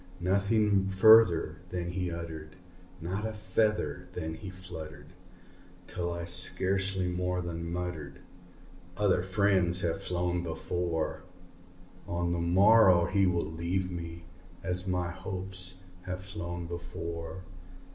Nothing further then he uttered not a feather then he fluttered Till I scarcely more than muttered, "Other friends have flown before On the morrow he will leave me, as my hopes have flown before."